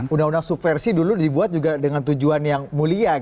undang undang subversi dulu dibuat juga dengan tujuan yang mulia